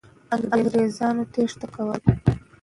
انګریزان تېښته کوله.